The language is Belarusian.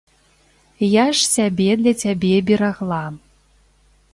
Я ж сябе для цябе берагла.